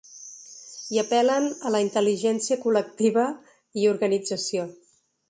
I apel·len a la ‘intel·ligència col·lectiva i organització’.